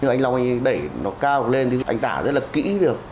anh long đẩy nó cao lên anh tả rất là kỹ được